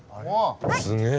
すげえ。